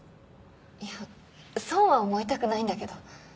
いやそうは思いたくないんだけど。